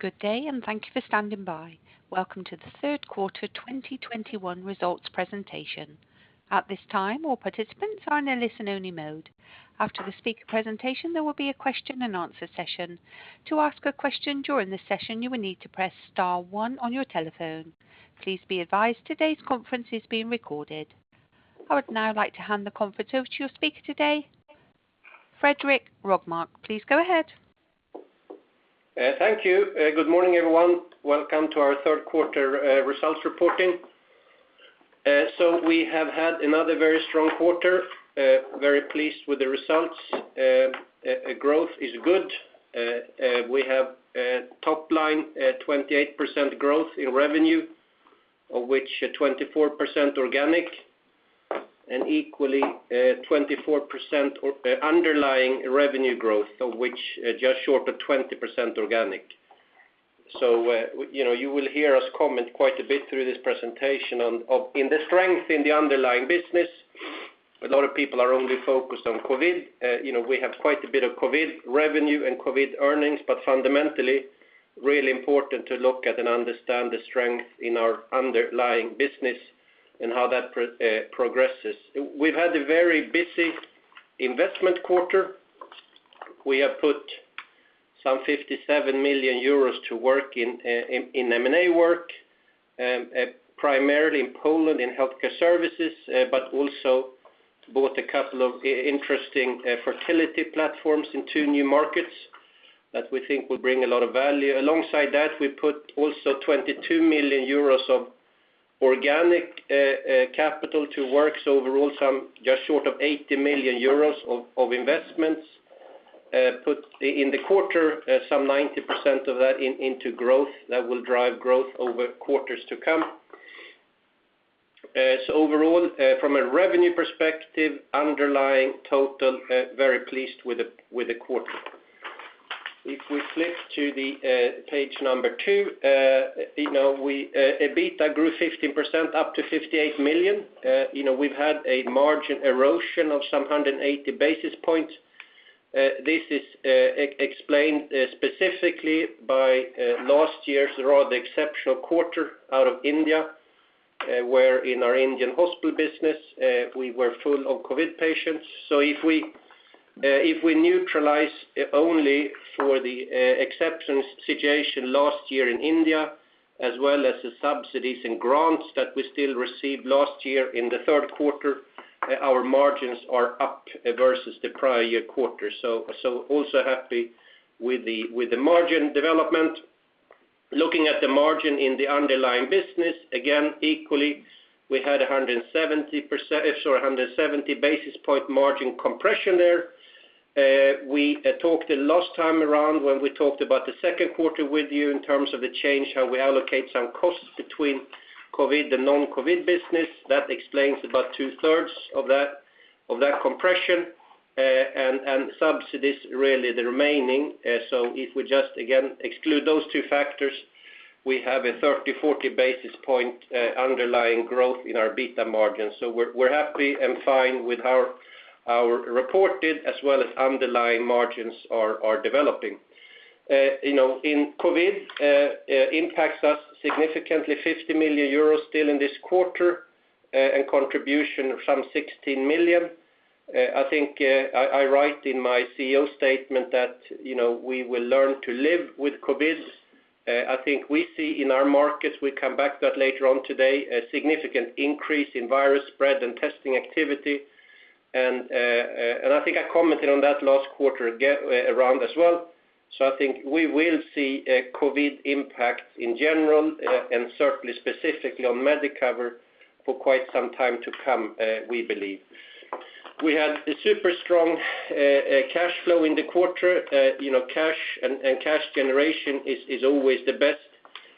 Good day, and thank you for standing by. Welcome to the third quarter 2021 results presentation. At this time, all participants are in a listen-only mode. After the speaker presentation, there will be a question and answer session. To ask a question during the session, you will need to press star one on your telephone. Please be advised today's conference is being recorded. I would now like to hand the conference over to your speaker today, Fredrik Rågmark. Please go ahead. Thank you. Good morning, everyone. Welcome to our third quarter results reporting. We have had another very strong quarter, very pleased with the results. Growth is good. We have top line 28% growth in revenue, of which 24% organic and equally 24% underlying revenue growth, of which just short of 20% organic. You know, you will hear us comment quite a bit through this presentation on in the strength in the underlying business. A lot of people are only focused on COVID. You know, we have quite a bit of COVID revenue and COVID earnings, but fundamentally, really important to look at and understand the strength in our underlying business and how that progresses. We've had a very busy investment quarter. We have put some 57 million euros to work in M&A work, primarily in Poland in healthcare services, but also bought a couple of interesting fertility platforms in two new markets that we think will bring a lot of value. Alongside that, we put also 22 million euros of organic capital to work. Overall, some just short of 80 million euros of investments put in the quarter, some 90% of that into growth that will drive growth over quarters to come. Overall, from a revenue perspective, underlying total, very pleased with the quarter. If we flip to the page number two, you know, EBITDA grew 15% up to 58 million. You know, we've had a margin erosion of some 180 basis points. This is explained specifically by last year's rather exceptional quarter out of India, where in our Indian hospital business we were full of COVID patients. If we neutralize only for the exception situation last year in India, as well as the subsidies and grants that we still received last year in the third quarter, our margins are up versus the prior year quarter. We are also happy with the margin development. Looking at the margin in the underlying business, again, equally, we had 170 basis points margin compression there. We talked last time around when we talked about the second quarter with you in terms of the change, how we allocate some costs between COVID and non-COVID business. That explains about two-thirds of that compression, and subsidies, really the remaining. So if we just again exclude those two factors, we have a 30-40 basis point underlying growth in our EBITDA margins. So we're happy and fine with how our reported as well as underlying margins are developing. You know, COVID impacts us significantly, 50 million euros still in this quarter, and contribution of some 16 million. I think I write in my CEO statement that, you know, we will learn to live with COVID. I think we see in our markets, we come back to that later on today, a significant increase in virus spread and testing activity. I think I commented on that last quarter around as well. I think we will see a COVID impact in general, and certainly specifically on Medicover for quite some time to come, we believe. We had a super strong cash flow in the quarter. You know, cash and cash generation is always the best,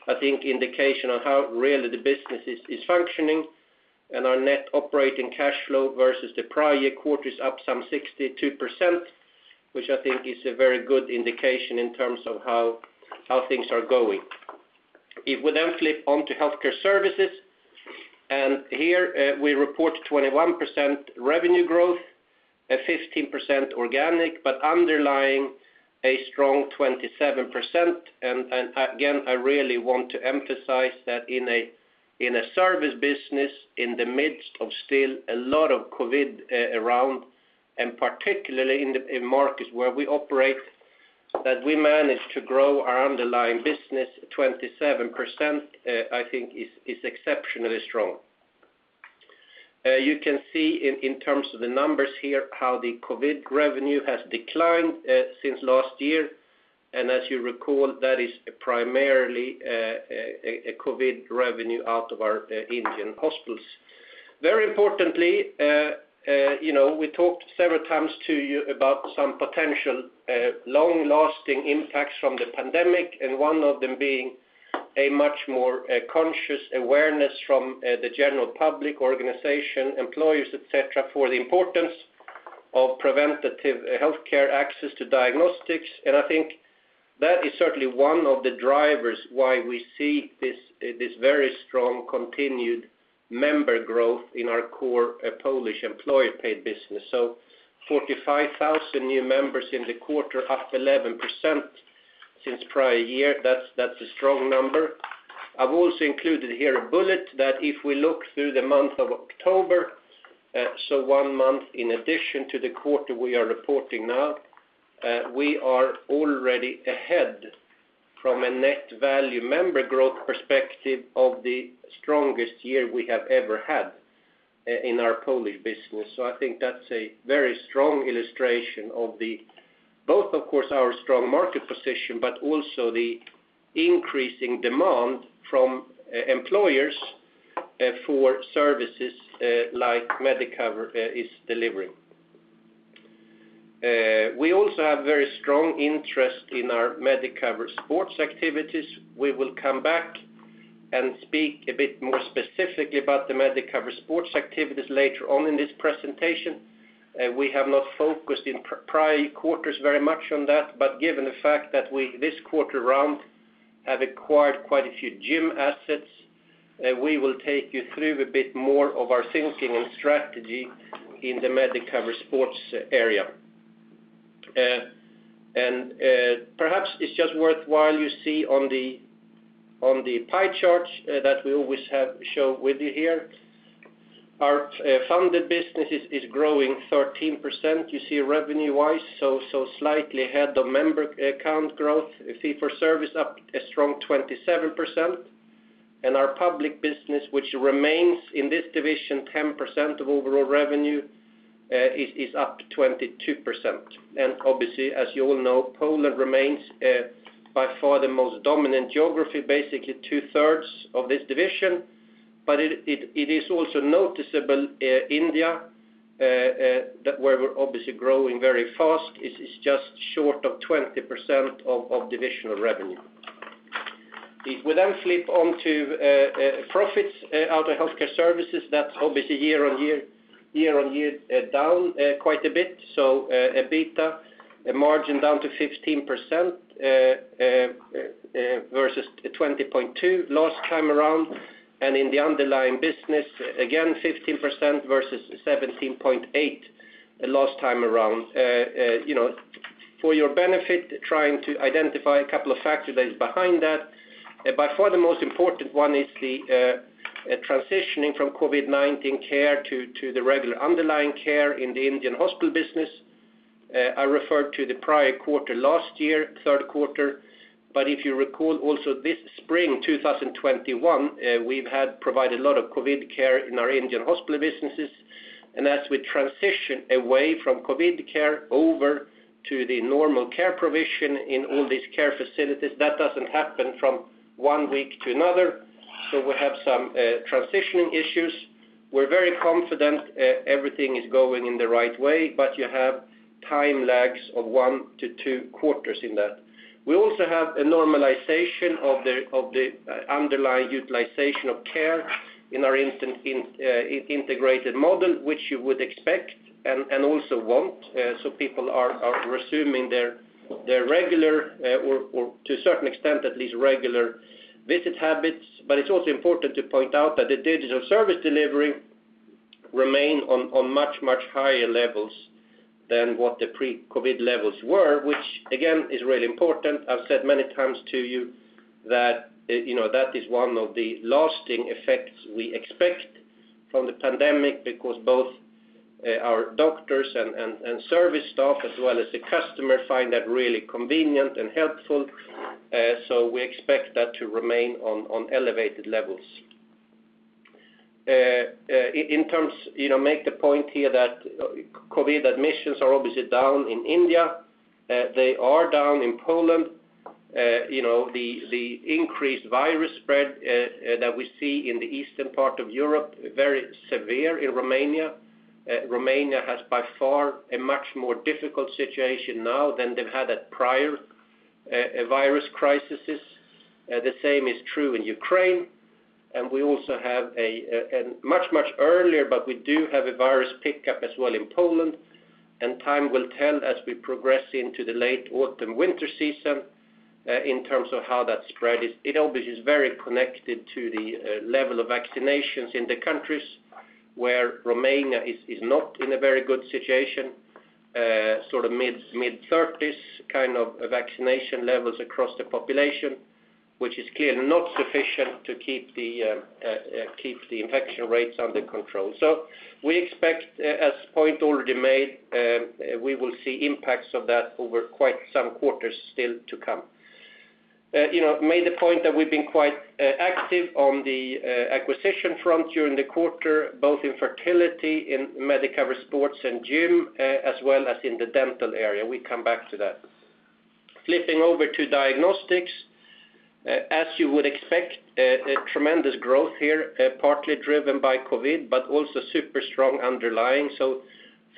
I think, indication on how really the business is functioning. Our net operating cash flow versus the prior year quarter is up some 62%, which I think is a very good indication in terms of how things are going. If we then flip on to Healthcare Services, and here, we report 21% revenue growth, 15% organic, but underlying a strong 27%. Again, I really want to emphasize that in a service business in the midst of still a lot of COVID around, and particularly in the markets where we operate, that we managed to grow our underlying business 27%, I think is exceptionally strong. You can see in terms of the numbers here, how the COVID revenue has declined since last year. As you recall, that is primarily a COVID revenue out of our Indian hospitals. Very importantly, you know, we talked several times to you about some potential long-lasting impacts from the pandemic, and one of them being a much more conscious awareness from the general public, organization, employers, et cetera, for the importance of preventative healthcare access to diagnostics. I think that is certainly one of the drivers why we see this very strong continued member growth in our core Polish employee paid business. 45,000 new members in the quarter, up 11% since prior year. That's a strong number. I've also included here a bullet that if we look through the month of October, one month in addition to the quarter we are reporting now, we are already ahead from a net new member growth perspective of the strongest year we have ever had in our Polish business. I think that's a very strong illustration of the both, of course, our strong market position, but also the increasing demand from employers for services like Medicover is delivering. We also have very strong interest in our Medicover Sport activities. We will come back and speak a bit more specifically about the Medicover sports activities later on in this presentation. We have not focused in prior quarters very much on that. Given the fact that we, this quarter round, have acquired quite a few gym assets, we will take you through a bit more of our thinking and strategy in the Medicover sports area. Perhaps it's just worthwhile you see on the, on the pie chart, that we always have shown with you here, our funded business is growing 13%, you see revenue-wise, so slightly ahead of member account growth. Fee for service up a strong 27%. Our public business, which remains in this division 10% of overall revenue, is up 22%. Obviously, as you all know, Poland remains by far the most dominant geography, basically two-thirds of this division. It is also noticeable, India, that where we're obviously growing very fast is just short of 20% of divisional revenue. If we flip onto profits out of healthcare services, that's obviously year on year down quite a bit. EBITDA margin down to 15%, versus 20.2% last time around. In the underlying business, again, 15% versus 17.8% last time around. You know, for your benefit, trying to identify a couple of factors that is behind that. By far the most important one is the transitioning from COVID-19 care to the regular underlying care in the Indian hospital business. I referred to the prior quarter last year, third quarter. If you recall also this spring, 2021, we've had provided a lot of COVID care in our Indian hospital businesses. As we transition away from COVID care over to the normal care provision in all these care facilities, that doesn't happen from one week to another. We have some transitioning issues. We're very confident everything is going in the right way, but you have time lags of one to two quarters in that. We also have a normalization of the underlying utilization of care in our instance in integrated model, which you would expect and also want. People are resuming their regular, or to a certain extent at least regular visit habits. It's also important to point out that the digital service delivery remain on much higher levels than what the pre-COVID levels were, which again is really important. I've said many times to you that, you know, that is one of the lasting effects we expect from the pandemic because both our doctors and service staff as well as the customer find that really convenient and helpful. We expect that to remain on elevated levels. In terms, you know, make the point here that COVID admissions are obviously down in India. They are down in Poland. You know, the increased virus spread that we see in the eastern part of Europe, very severe in Romania. Romania has by far a much more difficult situation now than they've had at prior virus crises. The same is true in Ukraine. We also have a much earlier, but we do have a virus pickup as well in Poland. Time will tell as we progress into the late autumn, winter season in terms of how that spread is. It obviously is very connected to the level of vaccinations in the countries where Romania is not in a very good situation. Sort of mid-thirties kind of vaccination levels across the population, which is clearly not sufficient to keep the infection rates under control. We expect, as point already made, we will see impacts of that over quite some quarters still to come. You know, made the point that we've been quite active on the acquisition front during the quarter, both in fertility, in Medicover Sport and gym, as well as in the dental area. We come back to that. Flipping over to diagnostics, as you would expect, a tremendous growth here, partly driven by COVID, but also super strong underlying.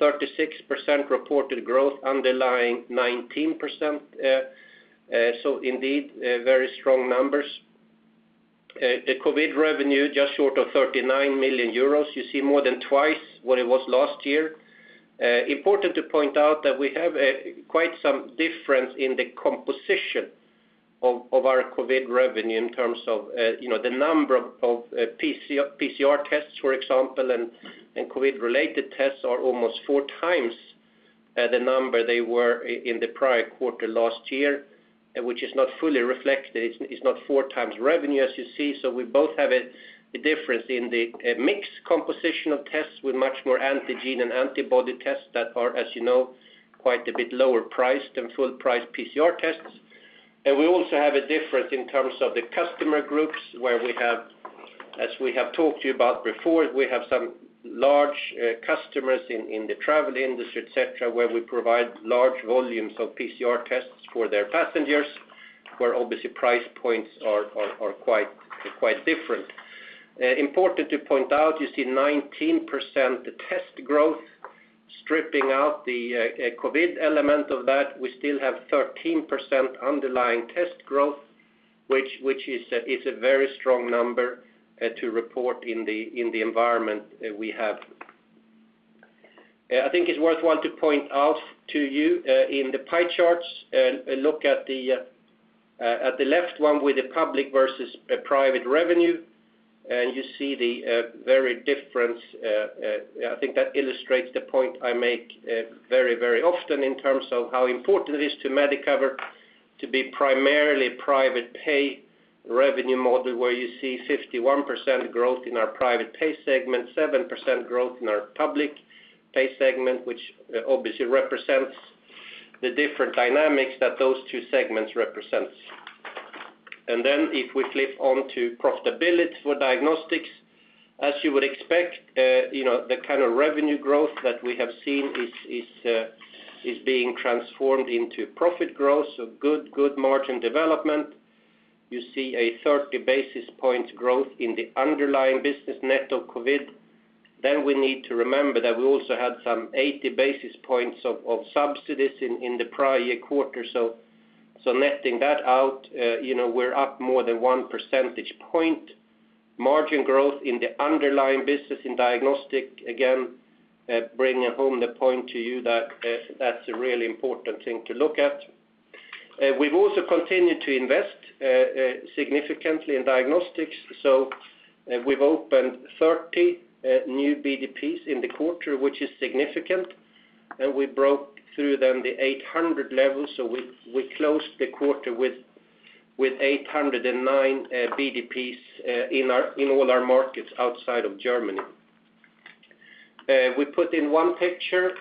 36% reported growth, underlying 19%. Indeed, very strong numbers. The COVID revenue just short of 39 million euros. You see more than twice what it was last year. Important to point out that we have quite some difference in the composition of our COVID revenue in terms of you know the number of PCR tests for example and COVID-related tests are almost four times the number they were in the prior quarter last year which is not fully reflected. It's not four times revenue as you see. We both have a difference in the mix composition of tests with much more antigen and antibody tests that are as you know quite a bit lower priced than full price PCR tests. We also have a difference in terms of the customer groups where we have, as we have talked to you about before, we have some large customers in the travel industry, et cetera, where we provide large volumes of PCR tests for their passengers, where obviously price points are quite different. Important to point out, you see 19% test growth. Stripping out the COVID element of that, we still have 13% underlying test growth, which is a very strong number to report in the environment we have. I think it's worth noting to point out to you, in the pie charts, look at the left one with the public versus private revenue, and you see the very different. I think that illustrates the point I make, very, very often in terms of how important it is to Medicover to be primarily private pay revenue model, where you see 51% growth in our private pay segment, 7% growth in our public pay segment, which obviously represents the different dynamics that those two segments represents. If we flip on to profitability for diagnostics, as you would expect, you know, the kind of revenue growth that we have seen is being transformed into profit growth. Good margin development. You see a 30 basis points growth in the underlying business net of COVID. We need to remember that we also had some 80 basis points of subsidies in the prior year quarter. Netting that out, you know, we're up more than one percentage point. Margin growth in the underlying business in diagnostics, again, bringing home the point to you that that's a really important thing to look at. We've also continued to invest significantly in diagnostics. We've opened 30 new BDPs in the quarter, which is significant. We broke through the 800 levels. We closed the quarter with 809 BDPs in all our markets outside of Germany. We put in one picture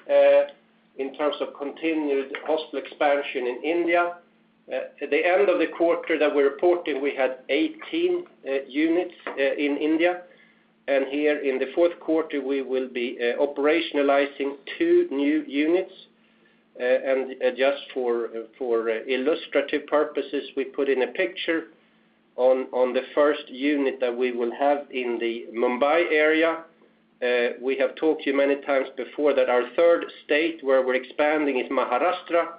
in terms of continued hospital expansion in India. At the end of the quarter that we reported, we had 18 units in India. Here in the fourth quarter, we will be operationalizing two new units. Just for illustrative purposes, we put in a picture on the first unit that we will have in the Mumbai area. We have talked to you many times before that our third state where we're expanding is Maharashtra,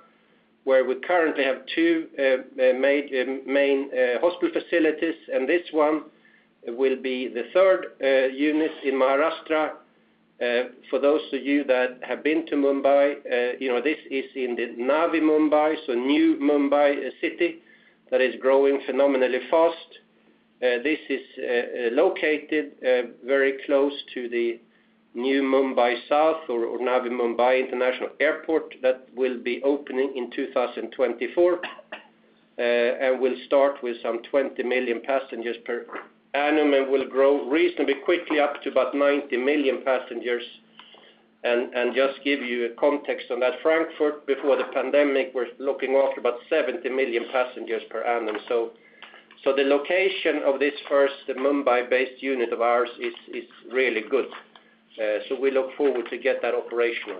where we currently have two main hospital facilities, and this one will be the third unit in Maharashtra. For those of you that have been to Mumbai, you know, this is in the Navi Mumbai, so new Mumbai city that is growing phenomenally fast. This is located very close to the new Mumbai South or Navi Mumbai International Airport that will be opening in 2024, and will start with some 20 million passengers per annum, and will grow reasonably quickly up to about 90 million passengers. Just give you a context on that, Frankfurt, before the pandemic, was looking after about 70 million passengers per annum. The location of this first Mumbai-based unit of ours is really good. We look forward to get that operational.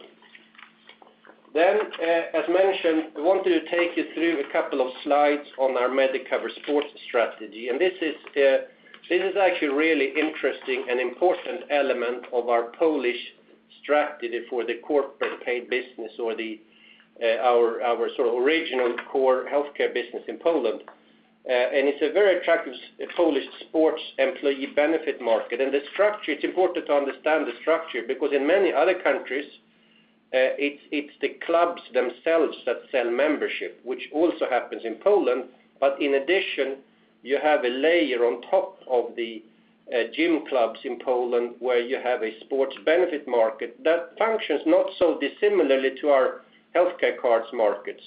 As mentioned, I wanted to take you through a couple of slides on our Medicover Sports strategy. This is actually really interesting and important element of our Polish strategy for the corporate paid business or our sort of original core healthcare business in Poland. It's a very attractive Polish sports employee benefit market. The structure, it's important to understand the structure because in many other countries, it's the clubs themselves that sell membership, which also happens in Poland. In addition, you have a layer on top of the gym clubs in Poland where you have a sports benefit market that functions not so dissimilarly to our healthcare cards market,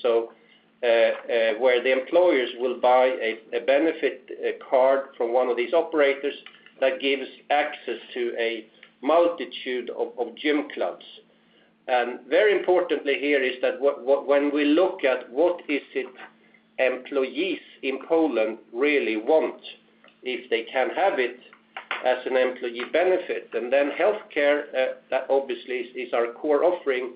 where the employers will buy a benefit card from one of these operators that gives access to a multitude of gym clubs. Very importantly here is that when we look at what is it employees in Poland really want if they can have it as an employee benefit, and then healthcare that obviously is our core offering,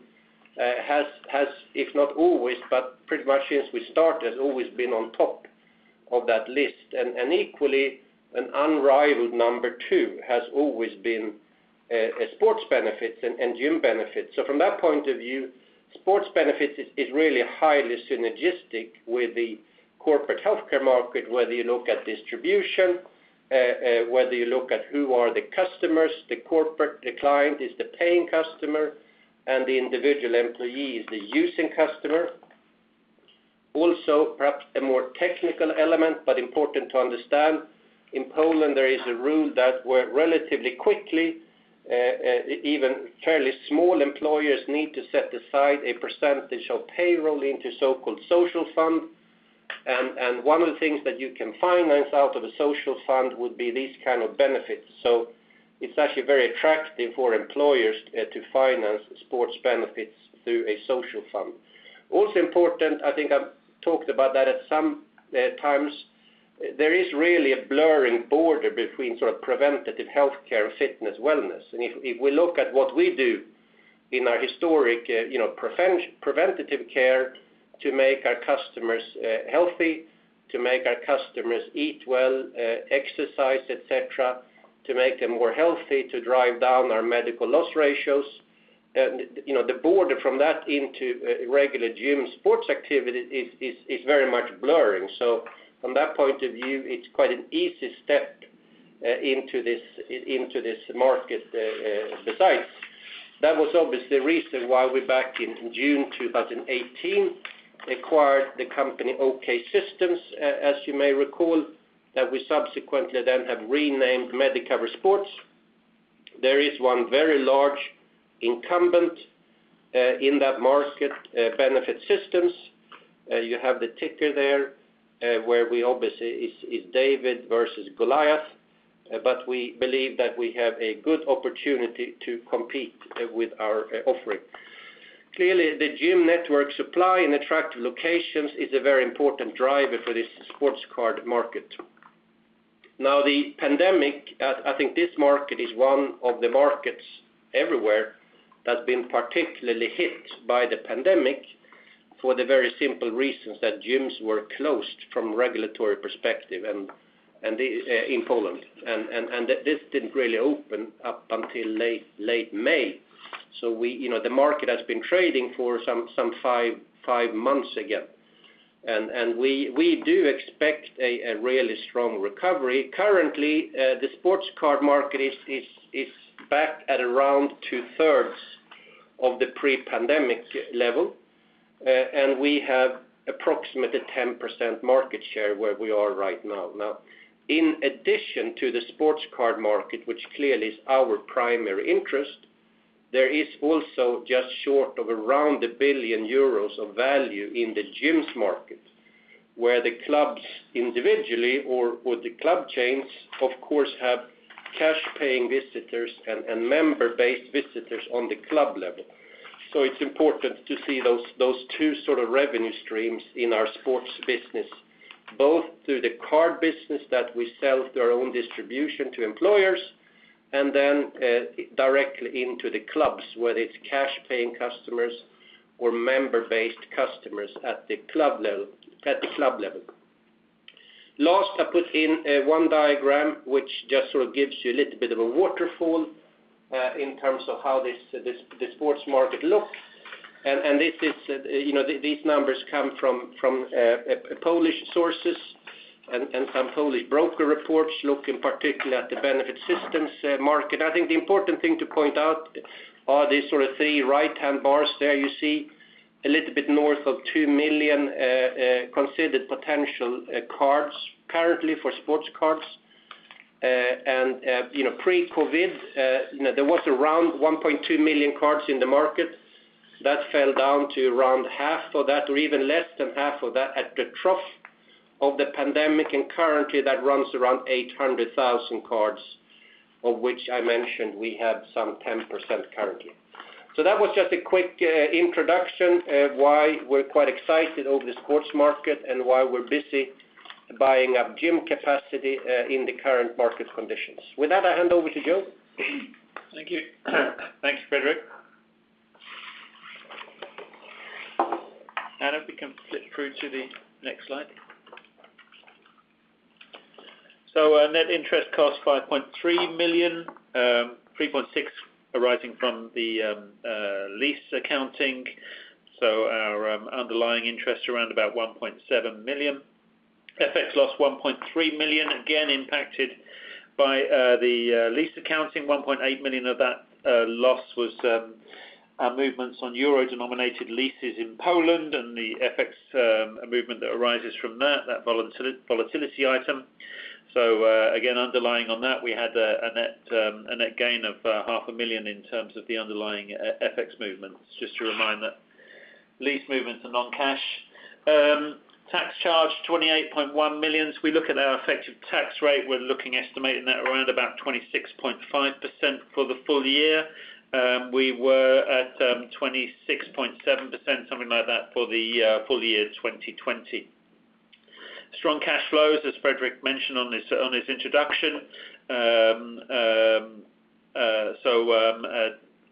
if not always, but pretty much since we started, has always been on top of that list. Equally, an unrivaled number two has always been sports benefits and gym benefits. From that point of view, sports benefits is really highly synergistic with the corporate healthcare market, whether you look at distribution, whether you look at who are the customers, the corporate, the client is the paying customer, and the individual employee is the using customer. Also, perhaps a more technical element, but important to understand, in Poland, there is a rule that where relatively quickly, even fairly small employers need to set aside a percentage of payroll into so-called social fund. One of the things that you can finance out of a social fund would be these kind of benefits. It's actually very attractive for employers to finance sports benefits through a social fund. Also important, I think I've talked about that at some times, there is really a blurring border between sort of preventative healthcare, fitness, wellness. If we look at what we do in our historic preventative care to make our customers healthy, to make our customers eat well, exercise, et cetera, to make them more healthy, to drive down our medical loss ratios, the borderline from that into regular gym sports activity is very much blurring. From that point of view, it's quite an easy step into this market, besides. That was obviously the reason why we back in June 2018 acquired the company OK System, as you may recall, that we subsequently then have renamed Medicover Sport. There is one very large incumbent in that market, Benefit Systems. You have the ticker there, where we obviously is David versus Goliath. We believe that we have a good opportunity to compete with our offering. Clearly, the gym network supply in attractive locations is a very important driver for this sports card market. Now, the pandemic, I think this market is one of the markets everywhere that's been particularly hit by the pandemic for the very simple reasons that gyms were closed from regulatory perspective and in Poland. This didn't really open up until late May. We, you know, the market has been trading for some five months again. We do expect a really strong recovery. Currently, the sports card market is back at around 2/3 of the pre-pandemic level. We have approximately 10% market share where we are right now. Now, in addition to the sports card market, which clearly is our primary interest, there is also just short of around 1 billion euros of value in the gyms market, where the clubs individually or the club chains, of course, have cash paying visitors and member-based visitors on the club level. It's important to see those two sort of revenue streams in our sports business, both through the card business that we sell through our own distribution to employers, and then directly into the clubs, whether it's cash paying customers or member-based customers at the club level. Last, I put in one diagram which just sort of gives you a little bit of a waterfall in terms of how this sports market looks. This is, you know, these numbers come from Polish sources and some Polish broker reports look in particular at the Benefit Systems market. I think the important thing to point out are these sort of three right-hand bars there you see a little bit north of two million considered potential cards currently for sports cards. You know, pre-COVID, you know, there was around 1.2 million cards in the market. That fell down to around half of that or even less than half of that at the trough of the pandemic. Currently, that runs around 800,000 cards, of which I mentioned we have some 10% currently. That was just a quick introduction of why we're quite excited over the sports market and why we're busy buying up gym capacity in the current market conditions. With that, I hand over to Joe. Thank you. Thanks, Fredrik. Adam, if you can flip through to the next slide. Our net interest cost 5.3 million, 3.6 arising from the lease accounting. Our underlying interest around about 1.7 million. FX loss 1.3 million, again impacted by the lease accounting. 1.8 million of that loss was movements on euro-denominated leases in Poland and the FX movement that arises from that volatility item. Again, underlying on that, we had a net gain of half a million in terms of the underlying FX movements. Just to remind that lease movements are non-cash. Tax charge 28.1 million. As we look at our effective tax rate, we're estimating that around about 26.5% for the full year. We were at 26.7%, something like that, for the full year 2020. Strong cash flows, as Fredrik mentioned in his introduction.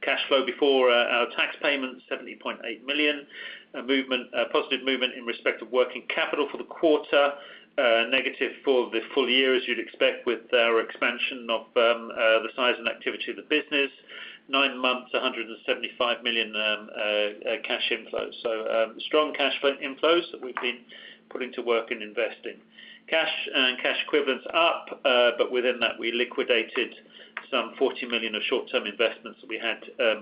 Cash flow before our tax payment, 70.8 million. A positive movement in respect of working capital for the quarter, negative for the full year as you'd expect with our expansion of the size and activity of the business. Nine months, 175 million cash inflows. Strong cash flow inflows that we've been putting to work and investing. Cash and cash equivalents up, but within that, we liquidated some 40 million of short-term investments that we had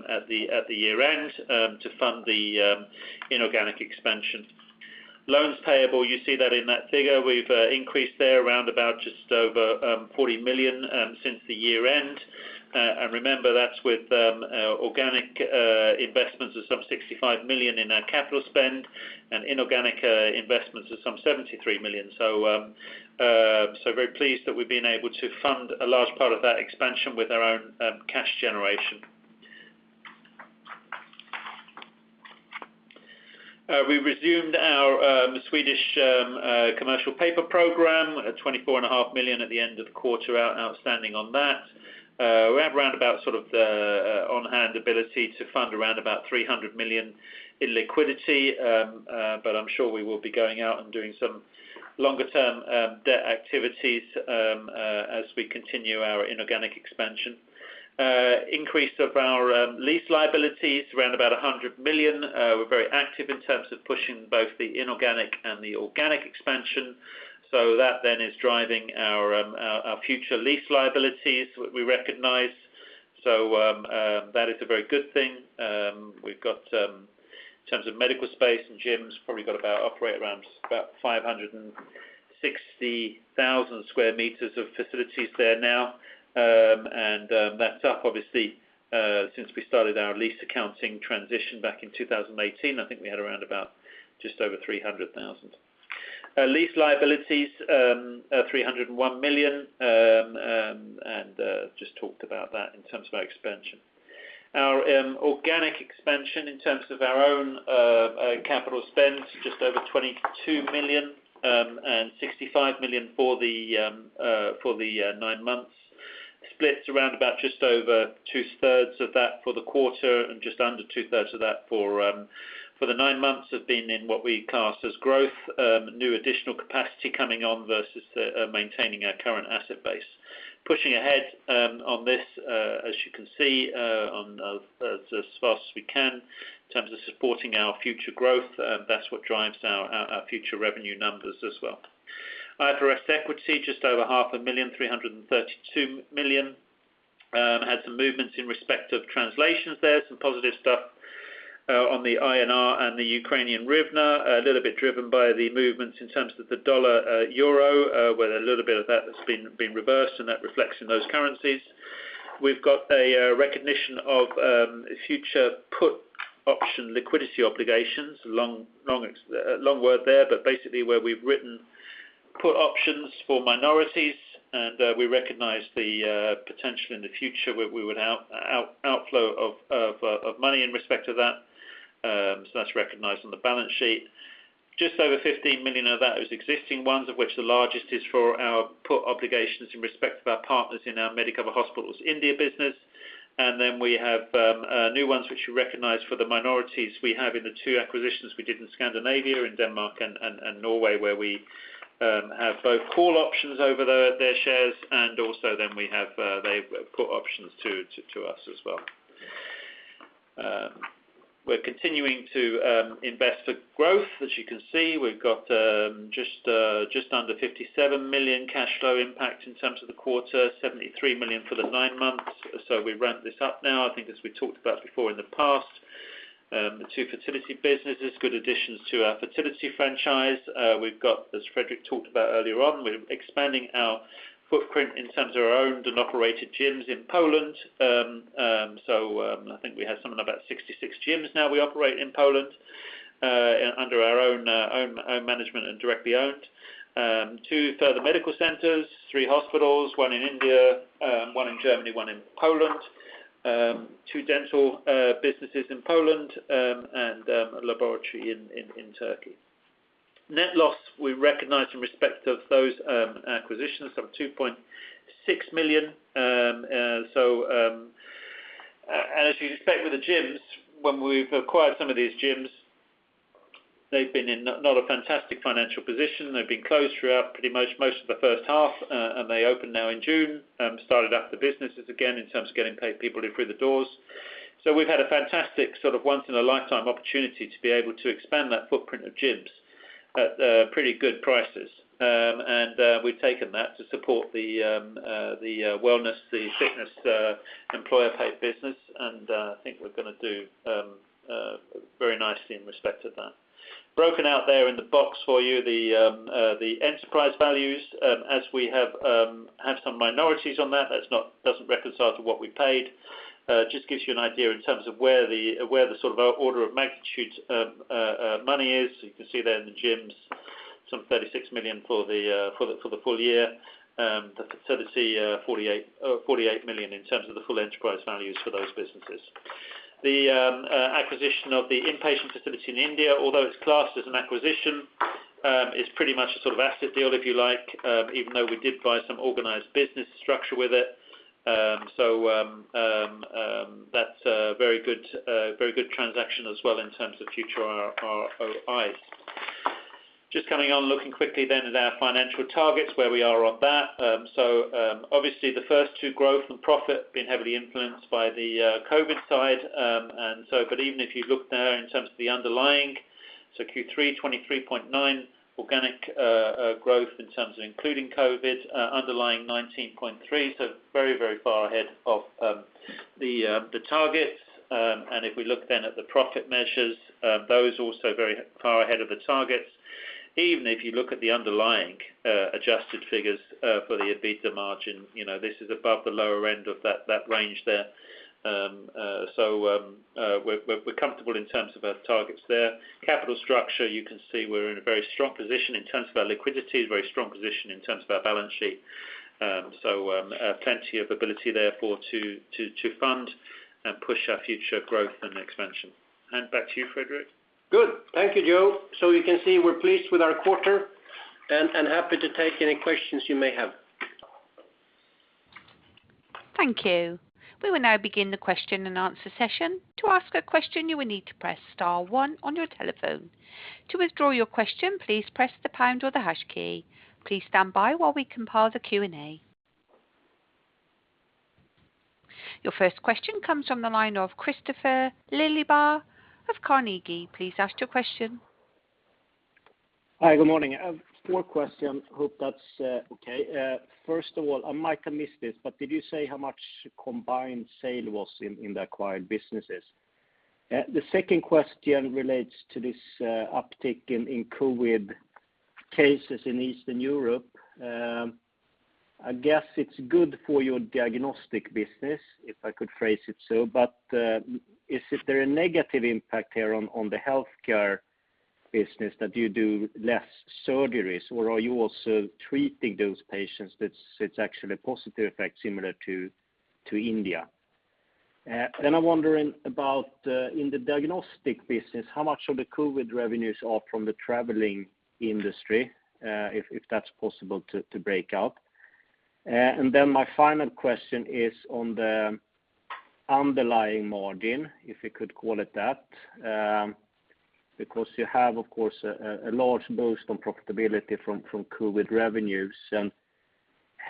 at the year-end to fund the inorganic expansion. Loans payable, you see that in that figure. We've increased there around about just over 40 million since the year end. Remember that's with organic investments of some 65 million in our capital spend and inorganic investments of some 73 million. Very pleased that we've been able to fund a large part of that expansion with our own cash generation. We resumed our Swedish commercial paper program at 24.5 million at the end of the quarter outstanding on that. We have round about sort of the on-hand ability to fund around about 300 million in liquidity. I'm sure we will be going out and doing some longer-term debt activities as we continue our inorganic expansion. Increase of our lease liabilities around about 100 million. We're very active in terms of pushing both the inorganic and the organic expansion. That then is driving our future lease liabilities we recognize. That is a very good thing. We've got in terms of medical space and gyms probably operating around about 560,000 sq m of facilities there now. That's up obviously since we started our lease accounting transition back in 2018. I think we had around about just over 300,000. Lease liabilities, 301 million, and just talked about that in terms of our expansion. Our organic expansion in terms of our own capital spend, just over 22 million, and 65 million for the nine months. Splits around about just over two-thirds of that for the quarter and just under two-thirds of that for the nine months have been in what we cast as growth, new additional capacity coming on versus maintaining our current asset base. Pushing ahead on this, as you can see, as fast as we can in terms of supporting our future growth, that's what drives our future revenue numbers as well. IFRS equity, just over half a million 332 million. Had some movements in respect of translations there. Some positive stuff on the INR and the Ukrainian hryvnia, a little bit driven by the movements in terms of the dollar, euro, with a little bit of that has been reversed, and that reflects in those currencies. We've got a recognition of future put option liquidity obligations, long word there, but basically where we've written put options for minorities, and we recognize the potential in the future where we would outflow of money in respect to that. So that's recognized on the balance sheet. Just over 15 million of that is existing ones, of which the largest is for our put obligations in respect of our partners in our Medicover Hospitals India business. Then we have new ones which we recognize for the minorities we have in the two acquisitions we did in Scandinavia, in Denmark and Norway, where we have both call options over their shares and also then we have they have put options to us as well. We're continuing to invest for growth. As you can see, we've got just under 57 million cash flow impact in terms of the quarter, 73 million for the nine months. We ramp this up now. I think as we talked about before in the past, the two fertility businesses, good additions to our fertility franchise. We've got, as Frederik talked about earlier on, we're expanding our footprint in terms of our owned and operated gyms in Poland. I think we have something about 66 gyms now we operate in Poland under our own management and directly owned. 2 further medical centers, 3 hospitals, 1 in India, 1 in Germany, 1 in Poland. 2 dental businesses in Poland, and a laboratory in Turkey. The net loss we recognize in respect of those acquisitions of 2.6 million. As you'd expect with the gyms, when we've acquired some of these gyms, they've been in not a fantastic financial position. They've been closed throughout pretty much most of the first half, and they opened now in June, started up the businesses again in terms of getting people through the doors. We've had a fantastic sort of once in a lifetime opportunity to be able to expand that footprint of gyms at pretty good prices. We've taken that to support the wellness, the fitness, employer paid business. I think we're gonna do very nicely in respect of that. Broken out there in the box for you, the enterprise values, as we have some minorities on that. That doesn't reconcile to what we paid. Just gives you an idea in terms of where the sort of our order of magnitude money is. You can see there in the gyms, some 36 million for the full year. The fertility, 48 million in terms of the full enterprise values for those businesses. The acquisition of the inpatient facility in India, although it's classed as an acquisition, it's pretty much a sort of asset deal, if you like, even though we did buy some organized business structure with it. That's a very good transaction as well in terms of future ROIs. Just coming on, looking quickly then at our financial targets, where we are on that. Obviously the first two growth and profit have been heavily influenced by the COVID side. Even if you look there in terms of the underlying, Q3 23.9% organic growth including COVID, underlying 19.3%, very far ahead of the targets. If we look at the profit measures, those also very far ahead of the targets. Even if you look at the underlying adjusted figures for the EBITDA margin, you know, this is above the lower end of that range there. We're comfortable in terms of our targets there. Capital structure, you can see we're in a very strong position in terms of our liquidity, very strong position in terms of our balance sheet. Plenty of ability therefore to fund and push our future growth and expansion. Back to you, Fredrik Rågmark. Good. Thank you, Joe. You can see we're pleased with our quarter and happy to take any questions you may have. Thank you. We will now begin the question-and-answer session. To ask a question, you will need to press star one on your telephone. To withdraw your question, please press the pound or the hash key. Please stand by while we compile the Q&A. Your first question comes from the line of Kristofer Liljeberg of Carnegie. Please ask your question. Hi, good morning. I have four questions. Hope that's okay. First of all, I might have missed this, but did you say how much combined sales was in the acquired businesses? The second question relates to this uptick in COVID cases in Eastern Europe. I guess it's good for your diagnostic business, if I could phrase it so. Is there a negative impact here on the healthcare business that you do less surgeries, or are you also treating those patients that's actually a positive effect similar to India? I'm wondering about, in the diagnostic business, how much of the COVID revenues are from the traveling industry, if that's possible to break out? My final question is on the underlying margin, if you could call it that, because you have, of course, a large boost on profitability from COVID revenues.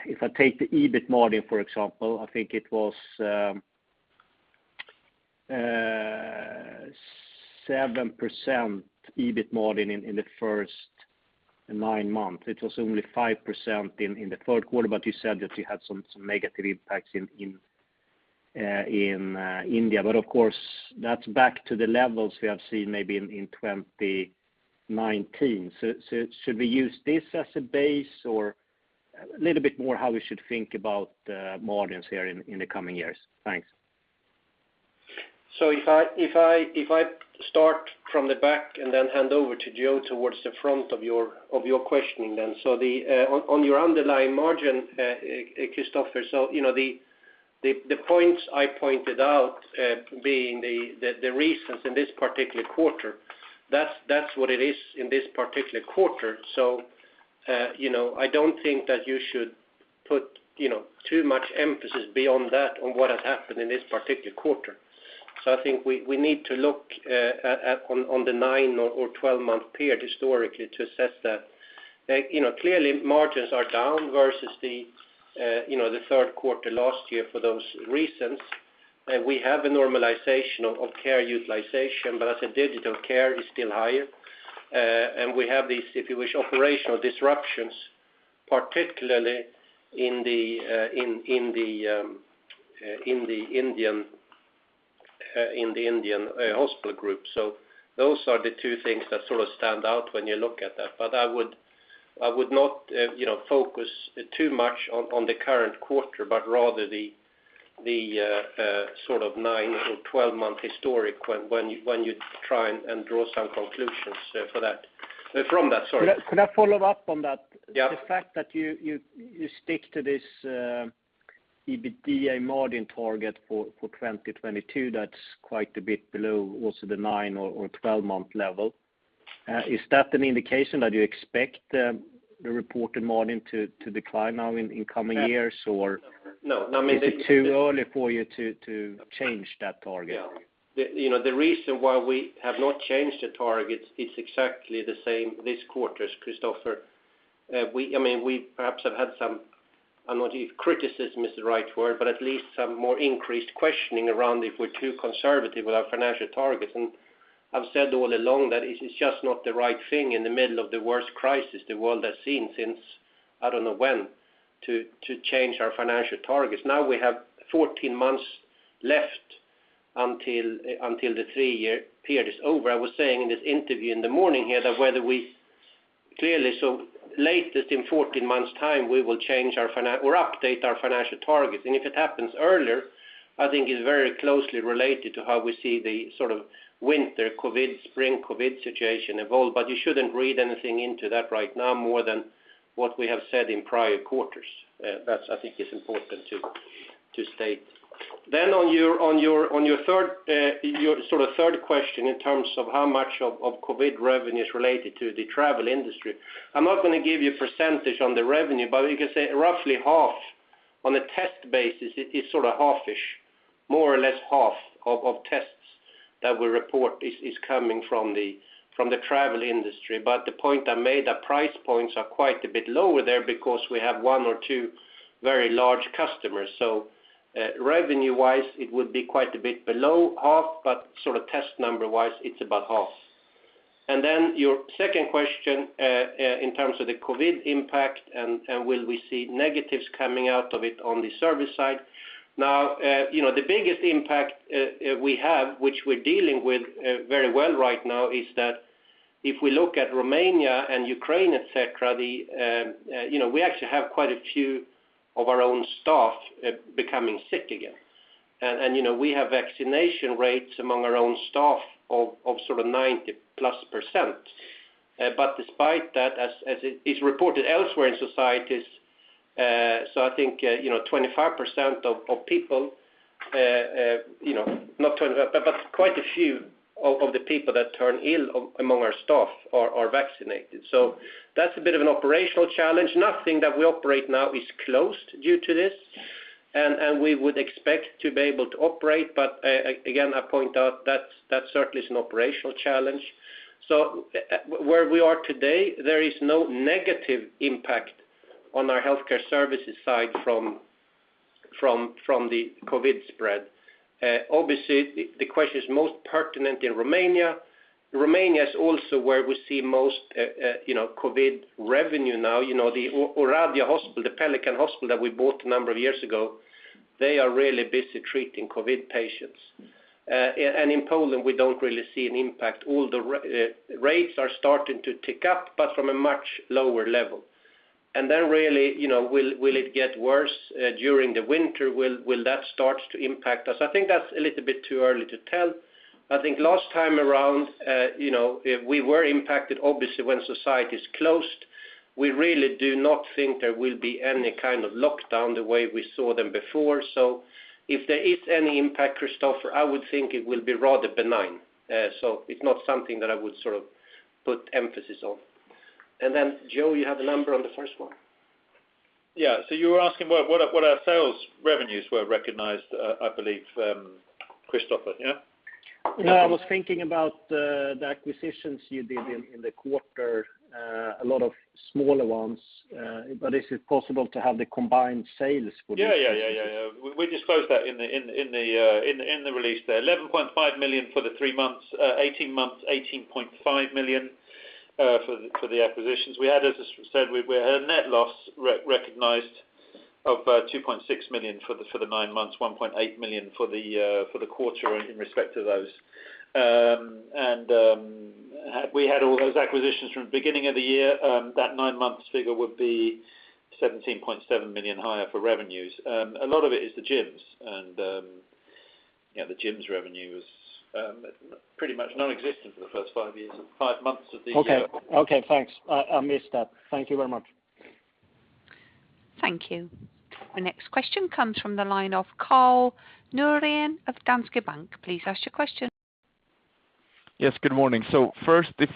If I take the EBIT margin, for example, I think it was 7% EBIT margin in the first nine months. It was only 5% in the third quarter, but you said that you had some negative impacts in India. Of course, that's back to the levels we have seen maybe in 2019. Should we use this as a base or a little bit more how we should think about margins here in the coming years? Thanks. If I start from the back and then hand over to Joe towards the front of your questioning then. On your underlying margin, Christopher, so you know, the points I pointed out being the reasons in this particular quarter, that's what it is in this particular quarter. You know, I don't think that you should put you know, too much emphasis beyond that on what has happened in this particular quarter. I think we need to look at on the nine or 12-month period historically to assess that. You know, clearly margins are down versus the you know, the third quarter last year for those reasons. We have a normalization of care utilization, but as I said, digital care is still higher. We have these, if you wish, operational disruptions, particularly in the Indian hospital group. Those are the two things that sort of stand out when you look at that. I would not, you know, focus too much on the current quarter, but rather the sort of nine or 12-month historic when you try and draw some conclusions from that, sorry. Could I follow up on that? Yeah. The fact that you stick to this EBITDA margin target for 2022, that's quite a bit below also the 9 or 12-month level. Is that an indication that you expect the reported margin to decline now in coming years or No, I mean. Is it too early for you to change that target? Yeah. You know, the reason why we have not changed the target is exactly the same this quarter as Christopher. We, I mean, we perhaps have had some. I don't know if criticism is the right word, but at least some more increased questioning around if we're too conservative with our financial targets. I've said all along that it is just not the right thing in the middle of the worst crisis the world has seen since I don't know when to change our financial targets. Now we have 14 months left until the three-year period is over. I was saying in this interview in the morning here that whether we clearly, so latest in 14 months' time, we will change or update our financial targets. If it happens earlier, I think it's very closely related to how we see the sort of winter COVID, spring COVID situation evolve. You shouldn't read anything into that right now more than what we have said in prior quarters. That I think is important to state. On your third question in terms of how much of COVID revenue is related to the travel industry. I'm not gonna give you a percentage on the revenue, but we can say roughly half. On a test basis, it is sort of half-ish, more or less half of tests that we report is coming from the travel industry. The point I made, the price points are quite a bit lower there because we have one or two very large customers. Revenue-wise, it would be quite a bit below half, but sort of test number-wise, it's about half. Then your second question, in terms of the COVID impact and will we see negatives coming out of it on the service side. You know, the biggest impact we have, which we're dealing with very well right now, is that if we look at Romania and Ukraine, et cetera, you know, we actually have quite a few of our own staff becoming sick again. You know, we have vaccination rates among our own staff of sort of 90+%. Despite that, as it is reported elsewhere in societies, I think, you know, 25% of people, you know, not 25, but quite a few of the people that turn ill among our staff are vaccinated. That's a bit of an operational challenge. Nothing that we operate now is closed due to this, and we would expect to be able to operate. Again, I point out that's, that certainly is an operational challenge. Where we are today, there is no negative impact on our healthcare services side from the COVID spread. Obviously, the question is most pertinent in Romania. Romania is also where we see most, you know, COVID revenue now. You know, the Oradea Hospital, the Pelican Hospital that we bought a number of years ago, they are really busy treating COVID patients. In Poland, we don't really see an impact. All the rates are starting to tick up, but from a much lower level. Really, you know, will it get worse during the winter? Will that start to impact us? I think that's a little bit too early to tell. I think last time around, you know, we were impacted, obviously, when societies closed. We really do not think there will be any kind of lockdown the way we saw them before. If there is any impact, Kristofer, I would think it will be rather benign. It's not something that I would sort of put emphasis on. Joe, you have the number on the first one. You were asking what our sales revenues were recognized, I believe, Christopher. No, I was thinking about the acquisitions you did in the quarter, a lot of smaller ones. Is it possible to have the combined sales for the- Yeah. We disclosed that in the release there. 11.5 million for the three months. 18.5 million for the acquisitions. We had, as said, a net loss recognized of 2.6 million for the nine months, 1.8 million for the quarter in respect to those. Had we had all those acquisitions from beginning of the year, that nine-month figure would be 17.7 million higher for revenues. A lot of it is the gyms and the gyms revenue was pretty much nonexistent for the first five months of the year. Okay. Okay, thanks. I missed that. Thank you very much. Thank you. The next question comes from the line of Karl Norén of Danske Bank. Please ask your question. Yes, good morning. First, I'll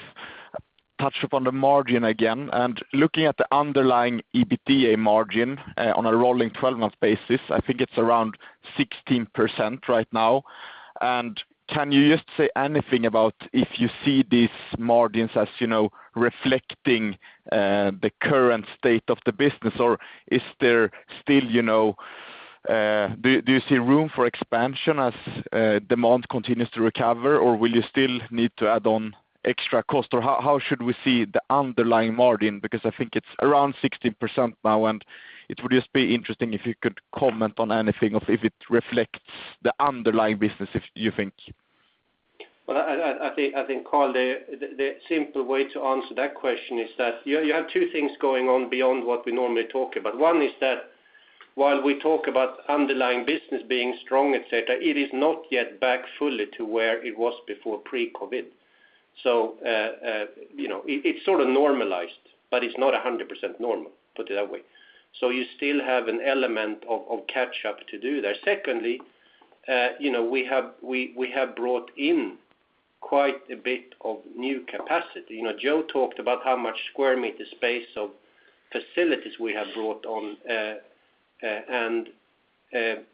touch upon the margin again, and looking at the underlying EBITDA margin, on a rolling 12-month basis, I think it's around 16% right now. Can you just say anything about if you see these margins as, you know, reflecting the current state of the business? Or is there still, you know, do you see room for expansion as demand continues to recover? Or will you still need to add on extra cost? Or how should we see the underlying margin? Because I think it's around 16% now, and it would just be interesting if you could comment on anything of if it reflects the underlying business, if you think. Well, I think, Karl Norén, the simple way to answer that question is that you have two things going on beyond what we normally talk about. One is that while we talk about underlying business being strong, et cetera, it is not yet back fully to where it was before pre-COVID. You know, it's sort of normalized, but it's not 100% normal, put it that way. You still have an element of catch up to do there. Secondly, you know, we have brought in quite a bit of new capacity. You know, John Stubbington talked about how much square meter space of facilities we have brought on.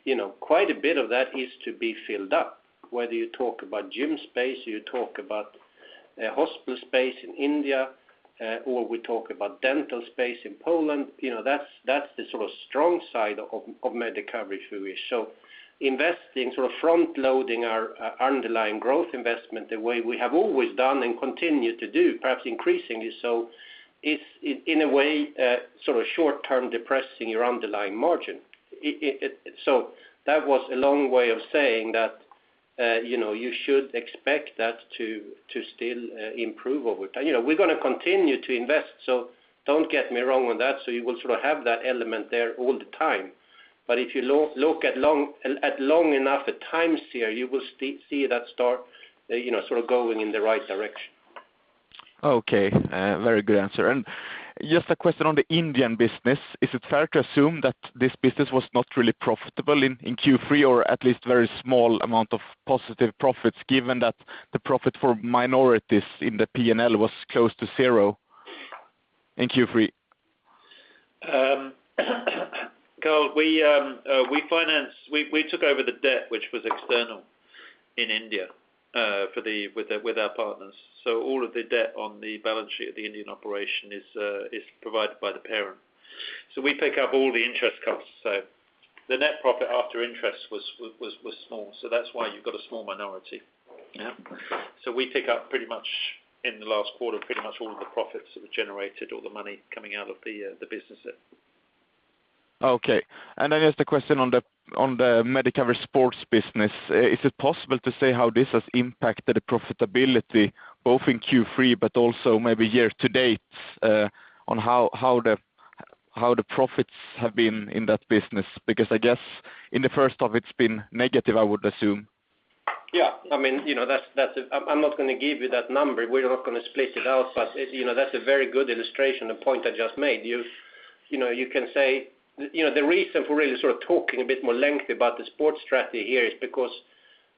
You know, quite a bit of that is to be filled up, whether you talk about gym space, you talk about hospital space in India, or we talk about dental space in Poland. You know, that's the sort of strong side of Medicover if we wish. Investing, sort of front-loading our underlying growth investment the way we have always done and continue to do, perhaps increasingly so, is in a way sort of short-term depressing your underlying margin. It was a long way of saying that, you know, you should expect that to still improve over time. You know, we're gonna continue to invest, so don't get me wrong on that. You will sort of have that element there all the time. If you look at long enough a time frame, you will see that start, you know, sort of going in the right direction. Okay. Very good answer. Just a question on the Indian business. Is it fair to assume that this business was not really profitable in Q3, or at least very small amount of positive profits, given that the profit for minorities in the P&L was close to zero in Q3? Karl, we took over the debt which was external in India with our partners. All of the debt on the balance sheet of the Indian operation is provided by the parent. We pick up all the interest costs. The net profit after interest was small, so that's why you've got a small minority. Yeah. We pick up pretty much, in the last quarter, pretty much all of the profits that were generated or the money coming out of the business there. Okay. Just a question on the Medicover sports business. Is it possible to say how this has impacted profitability, both in Q3 but also maybe year to date, on how the profits have been in that business? Because I guess in the first half it's been negative, I would assume. Yeah. I mean, you know, that's a. I'm not gonna give you that number. We're not gonna split it out. You know, that's a very good illustration, the point I just made. You know, you can say, you know, the reason for really sort of talking a bit more lengthy about the sports strategy here is because,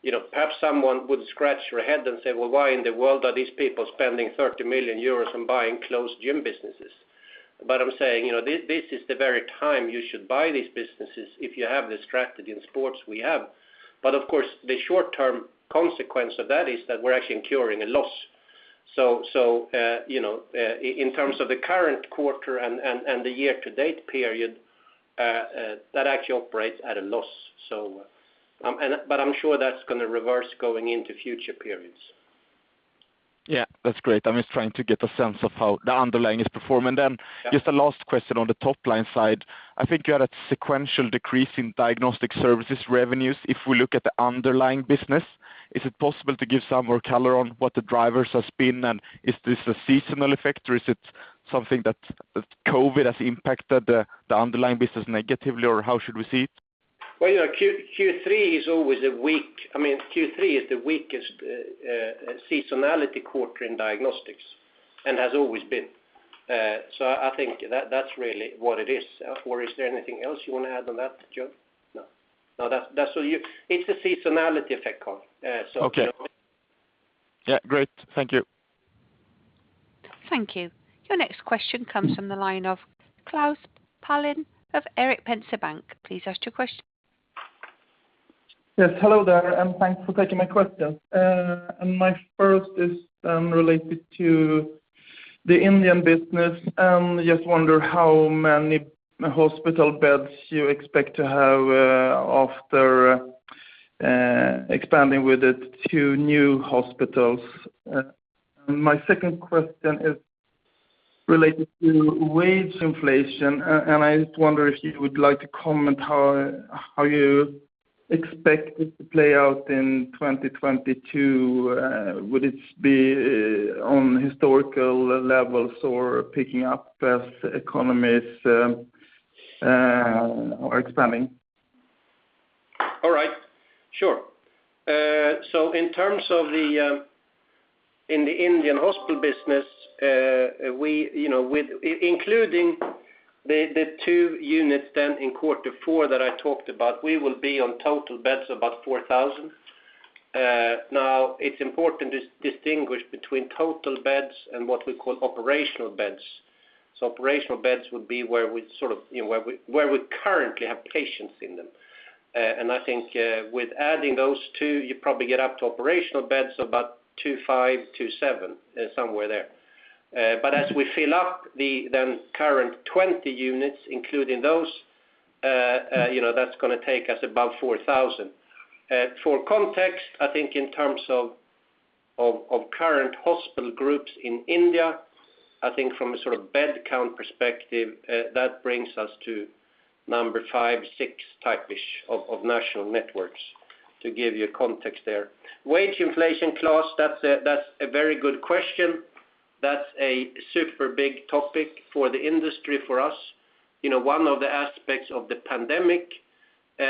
you know, perhaps someone would scratch their head and say, "Well, why in the world are these people spending 30 million euros and buying closed gym businesses?" I'm saying, you know, this is the very time you should buy these businesses if you have the strategy in sports we have. Of course, the short-term consequence of that is that we're actually incurring a loss. You know, in terms of the current quarter and the year to date period, that actually operates at a loss. I'm sure that's gonna reverse going into future periods. Yeah. That's great. I'm just trying to get a sense of how the underlying is performing. Yeah. Just a last question on the top-line side. I think you had a sequential decrease in diagnostic services revenues if we look at the underlying business. Is it possible to give some more color on what the drivers has been, and is this a seasonal effect, or is it something that COVID has impacted the underlying business negatively, or how should we see it? Well, you know, I mean, Q3 is the weakest seasonality quarter in diagnostics, and has always been. I think that's really what it is. Or is there anything else you wanna add on that, John Stubbington? No. That's all you. It's a seasonality effect, Karl. Okay. So- Yeah, great. Thank you. Thank you. Your next question comes from the line of Klas Palin of Erik Penser Bank. Please ask your question. Yes, hello there, and thanks for taking my question. My first is related to the Indian business. I just wonder how many hospital beds you expect to have after expanding with it to new hospitals. My second question is related to wage inflation. I just wonder if you would like to comment how you expect it to play out in 2022. Would it be on historical levels or picking up as economies are expanding? All right. Sure. In terms of the Indian hospital business, we, you know, with including the two units then in quarter four that I talked about, we will be on total beds about 4,000. Now it's important to distinguish between total beds and what we call operational beds. Operational beds would be where we sort of, you know, where we currently have patients in them. I think, with adding those two, you probably get up to operational beds about 2.5-2.7, somewhere there. As we fill up the then current 20 units, including those, you know, that's gonna take us above 4,000. For context, I think in terms of current hospital groups in India, I think from a sort of bed count perspective, that brings us to number five, six type-ish of national networks, to give you context there. Wage inflation, Klas, that's a very good question. That's a super big topic for the industry, for us. You know, one of the aspects of the pandemic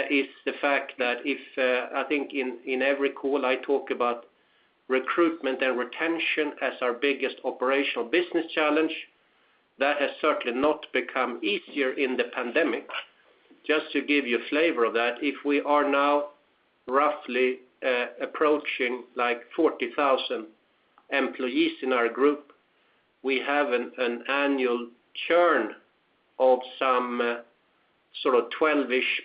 is the fact that if... I think in every call I talk about recruitment and retention as our biggest operational business challenge. That has certainly not become easier in the pandemic. Just to give you a flavor of that, if we are now roughly approaching, like, 40,000 employees in our group, we have an annual churn of some sort of 12%-ish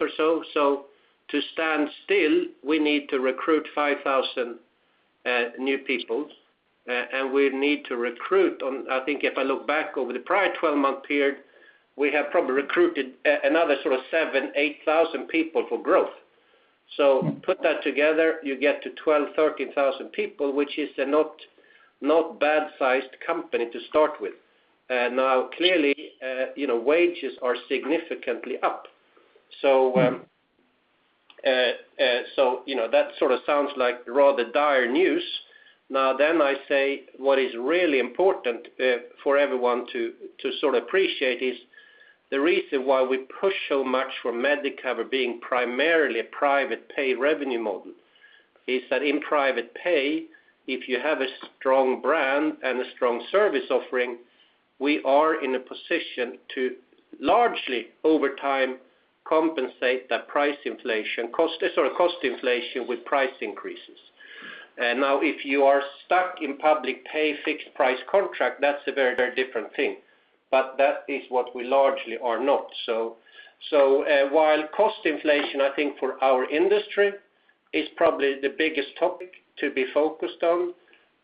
or so. To stand still, we need to recruit 5,000 new people, and we need to recruit. I think if I look back over the prior 12-month period, we have probably recruited another sort of 7,000-8,000 people for growth. Put that together, you get to 12,000-13,000 people, which is a not bad-sized company to start with. Now clearly, you know, wages are significantly up. You know, that sort of sounds like rather dire news. I say what is really important for everyone to sort of appreciate is the reason why we push so much for Medicover being primarily a private pay revenue model is that in private pay, if you have a strong brand and a strong service offering, we are in a position to largely over time compensate that cost inflation with price increases. If you are stuck in public pay fixed price contract, that's a very, very different thing. That is what we largely are not. While cost inflation, I think for our industry is probably the biggest topic to be focused on,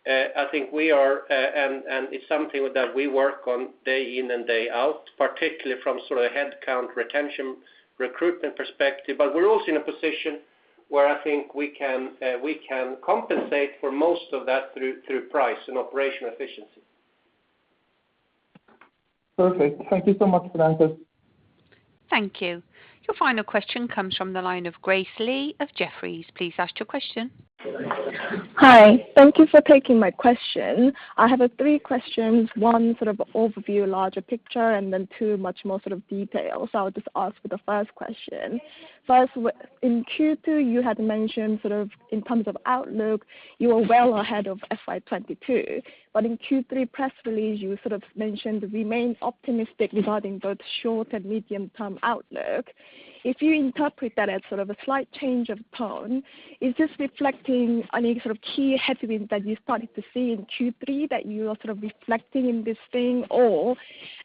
I think we are, and it's something that we work on day in and day out, particularly from sort of headcount, retention, recruitment perspective. We're also in a position where I think we can compensate for most of that through price and operational efficiency. Perfect. Thank you so much for the answer. Thank you. Your final question comes from the line of Grace Lee of Jefferies. Please ask your question. Hi. Thank you for taking my question. I have three questions. One sort of overview, larger picture, and then two much more sort of detail. I'll just ask for the first question. First, in Q2, you had mentioned sort of in terms of outlook, you were well ahead of FY 2022. In Q3 press release, you sort of mentioned remain optimistic regarding both short and medium term outlook. If you interpret that as sort of a slight change of tone, is this reflecting any sort of key headwinds that you started to see in Q3 that you are sort of reflecting in this thing, or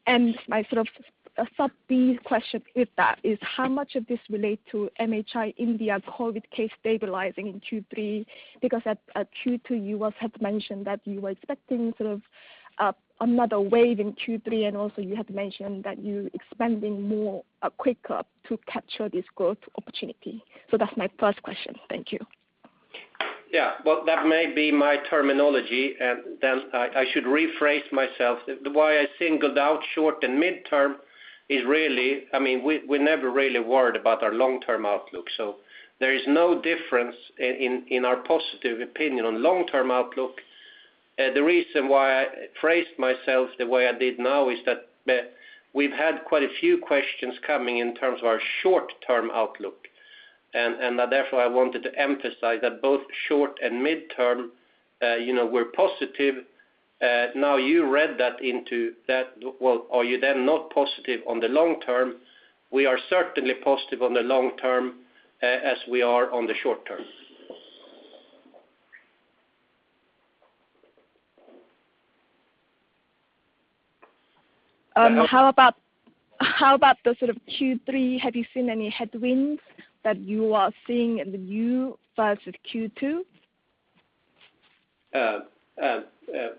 and my sort of sub B question with that is how much of this relate to MHI India COVID case stabilizing in Q3? Because at Q2, you also had mentioned that you were expecting sort of another wave in Q3, and also you had mentioned that you expanding more quicker to capture this growth opportunity. That's my first question. Thank you. Yeah. Well, that may be my terminology, and then I should rephrase myself. The way I singled out short and midterm is really, I mean, we never really worried about our long-term outlook. There is no difference in our positive opinion on long-term outlook. The reason why I phrased myself the way I did now is that, we've had quite a few questions coming in terms of our short-term outlook. Therefore, I wanted to emphasize that both short and midterm, you know, we're positive. Now you read that into that, well, are you then not positive on the long term? We are certainly positive on the long term, as we are on the short term. How about the sort of Q3? Have you seen any headwinds that you are seeing now versus Q2?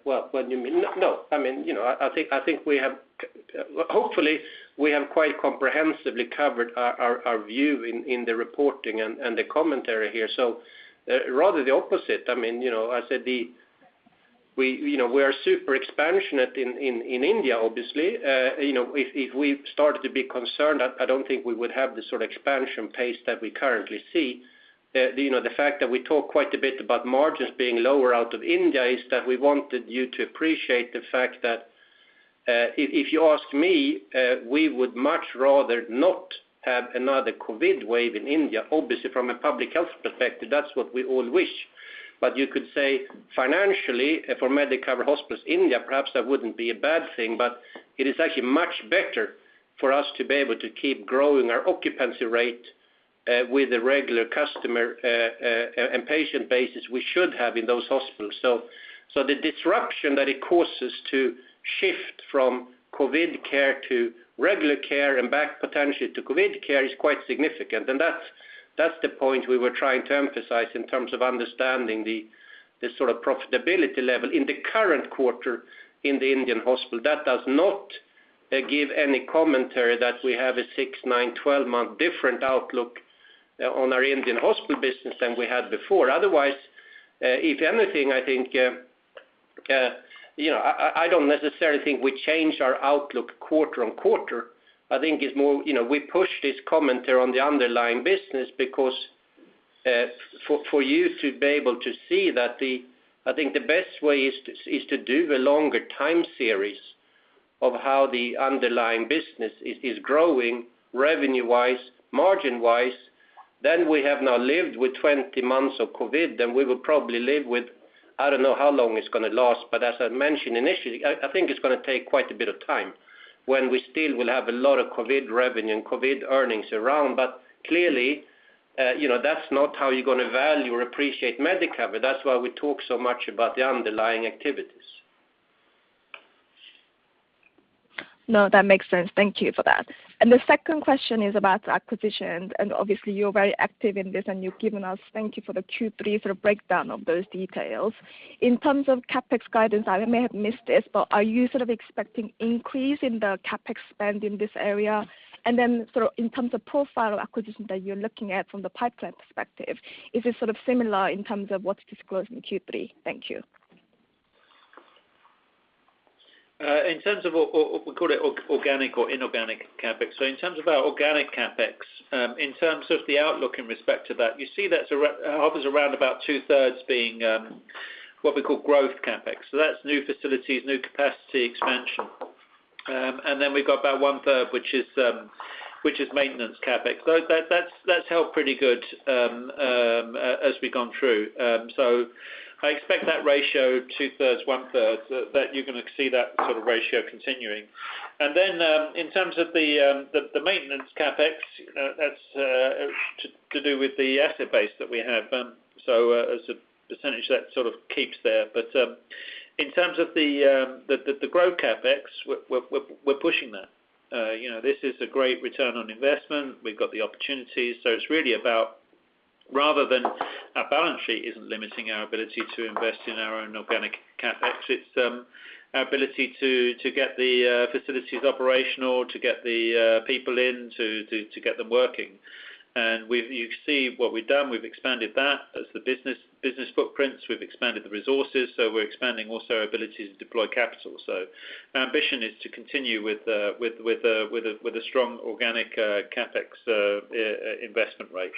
Well, what do you mean? No. I mean, you know, I think we have hopefully quite comprehensively covered our view in the reporting and the commentary here. Rather the opposite. I mean, you know, I said we are super expansive in India, obviously. You know, if we started to be concerned, I don't think we would have the sort of expansion pace that we currently see. You know, the fact that we talk quite a bit about margins being lower out of India is that we wanted you to appreciate the fact that if you ask me, we would much rather not have another COVID wave in India. Obviously, from a public health perspective, that's what we all wish. You could say financially for Medicover Hospitals India, perhaps that wouldn't be a bad thing, but it is actually much better for us to be able to keep growing our occupancy rate with the regular customer and patient basis we should have in those hospitals. The disruption that it causes to shift from COVID care to regular care and back potentially to COVID care is quite significant. That's the point we were trying to emphasize in terms of understanding the sort of profitability level in the current quarter in the Indian hospital. That does not give any commentary that we have a six, nine, 12-month different outlook on our Indian hospital business than we had before. Otherwise, if anything, I think you know, I don't necessarily think we change our outlook quarter on quarter. I think it's more, you know, we push this commentary on the underlying business because for you to be able to see that the I think the best way is to do the longer time series of how the underlying business is growing revenue-wise, margin-wise. We have now lived with 20 months of COVID. We will probably live with, I don't know how long it's gonna last, but as I mentioned initially, I think it's gonna take quite a bit of time when we still will have a lot of COVID revenue and COVID earnings around. Clearly, you know, that's not how you're gonna value or appreciate Medicover. That's why we talk so much about the underlying activities. No, that makes sense. Thank you for that. The second question is about acquisitions, and obviously you're very active in this and you've given us, thank you for the Q3 sort of breakdown of those details. In terms of CapEx guidance, I may have missed this, but are you sort of expecting increase in the CapEx spend in this area? Sort of in terms of profile acquisitions that you're looking at from the pipeline perspective, is it sort of similar in terms of what's disclosed in Q3? Thank you. In terms of what we call organic or inorganic CapEx. In terms of our organic CapEx, in terms of the outlook in respect to that, you see that hovers around about two-thirds being what we call growth CapEx. That's new facilities, new capacity expansion. We've got about one-third, which is maintenance CapEx. That's held pretty good as we've gone through. I expect that ratio two-thirds, one-third, that you're gonna see that sort of ratio continuing. In terms of the maintenance CapEx, that's to do with the asset base that we have. As a percentage, that sort of keeps there. In terms of the growth CapEx, we're pushing that. You know, this is a great return on investment. We've got the opportunities, so it's really about rather than our balance sheet isn't limiting our ability to invest in our own organic CapEx. It's our ability to get the facilities operational, to get the people in to get them working. You see what we've done, we've expanded that as the business footprints. We've expanded the resources, so we're expanding also our ability to deploy capital. Our ambition is to continue with a strong organic CapEx investment rate.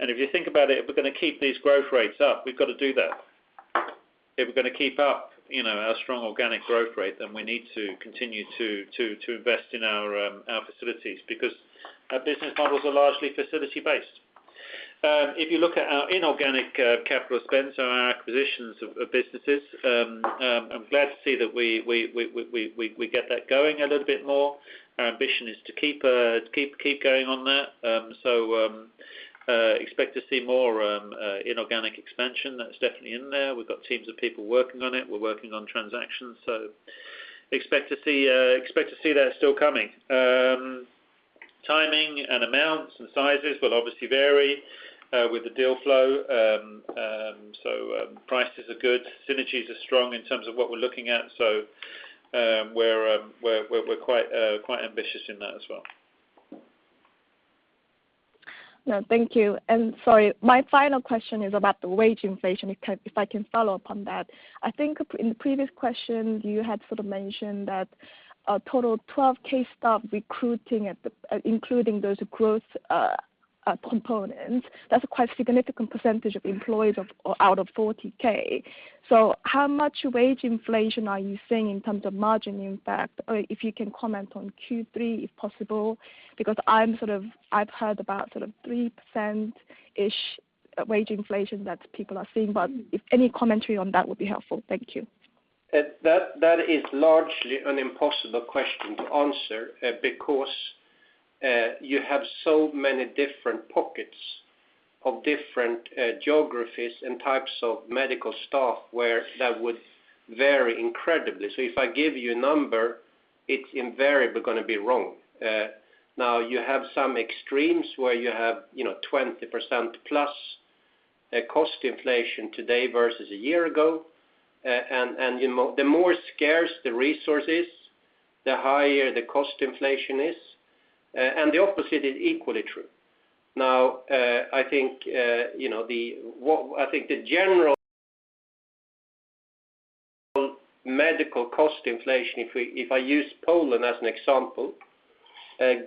If you think about it, if we're gonna keep these growth rates up, we've got to do that. If we're gonna keep up, you know, our strong organic growth rate, then we need to continue to invest in our facilities because our business models are largely facility-based. If you look at our inorganic capital spends on our acquisitions of businesses, I'm glad to see that we get that going a little bit more. Our ambition is to keep going on that. Expect to see more inorganic expansion. That's definitely in there. We've got teams of people working on it. We're working on transactions, so expect to see that still coming. Timing and amounts and sizes will obviously vary with the deal flow. Prices are good. Synergies are strong in terms of what we're looking at, so we're quite ambitious in that as well. No, thank you. Sorry, my final question is about the wage inflation, if I can follow up on that. I think in the previous question, you had sort of mentioned that a total of 12,000 staff recruiting at the, including those growth components, that's a quite significant percentage of employees out of 40,000. How much wage inflation are you seeing in terms of margin impact? Or if you can comment on Q3, if possible, because I've heard about sort of 3%-ish wage inflation that people are seeing. If any commentary on that would be helpful. Thank you. That is largely an impossible question to answer, because you have so many different pockets of different geographies and types of medical staff where that would vary incredibly. If I give you a number, it's invariably gonna be wrong. Now you have some extremes where you have, you know, 20%+ cost inflation today versus a year ago. And the more scarce the resource is, the higher the cost inflation is. And the opposite is equally true. Now I think the general medical cost inflation, if I use Poland as an example,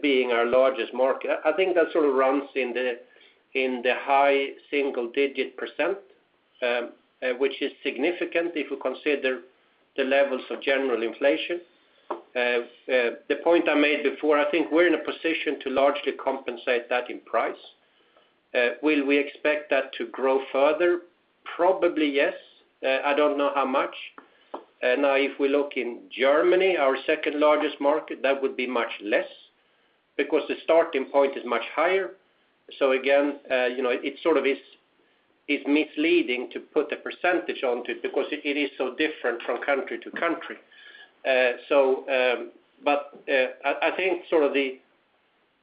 being our largest market, I think that sort of runs in the high single-digit %, which is significant if you consider the levels of general inflation. The point I made before, I think we're in a position to largely compensate that in price. Will we expect that to grow further? Probably, yes. I don't know how much. Now if we look in Germany, our second-largest market, that would be much less because the starting point is much higher. Again, you know, it sort of is misleading to put a percentage onto it because it is so different from country to country. I think sort of the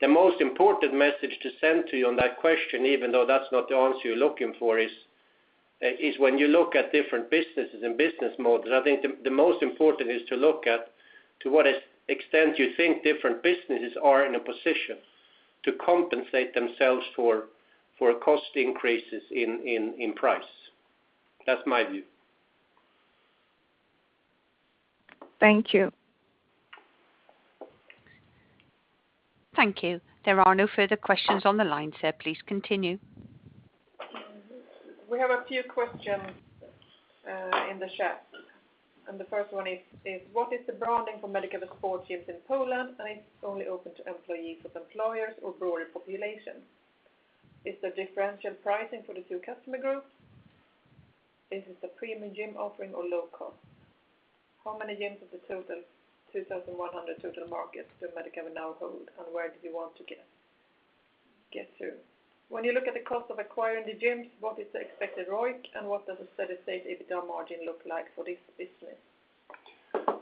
most important message to send to you on that question, even though that's not the answer you're looking for, is when you look at different businesses and business models, I think the most important is to look at to what extent you think different businesses are in a position to compensate themselves for cost increases in price. That's my view. Thank you. Thank you. There are no further questions on the line, sir. Please continue. We have a few questions in the chat, and the first one is, what is the branding for Medicover Sport gyms in Poland, and is it only open to employees with employers or broader population? Is there differential pricing for the two customer groups? Is this a premium gym offering or low cost? How many gyms of the total 2,100 total markets do Medicover now hold, and where do you want to get to? When you look at the cost of acquiring the gyms, what is the expected ROIC, and what does a steady-state EBITDA margin look like for this business?